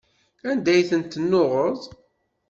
Anda ay ten-tennuɣeḍ?